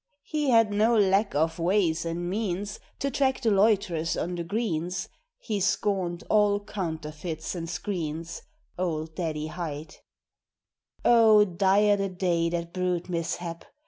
He had no lack of "ways and means" To track the loiterers on the greens; He scorned all counterfeits and screens Old Daddy Hight. Oh, dire the day that brewed mishap!